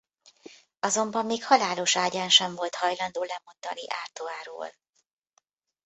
Azonban még halálos ágyán sem volt hajlandó lemondani Artois-ról.